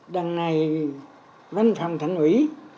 đằng này văn phòng thành ủy